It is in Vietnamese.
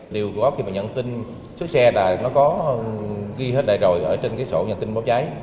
điều của họp khi mà nhận tin xuất xe là nó có ghi hết đại rồi ở trên cái sổ nhận tin báo cháy